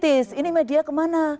ini media kemana